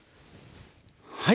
はい。